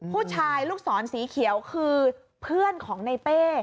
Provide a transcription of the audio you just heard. ผู้ชายลูกศรสีเขียวคือเพื่อนของในเป้